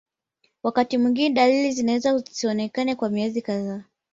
Wakati mwingine dalili zinaweza zisionekane kwa miezi kadhaa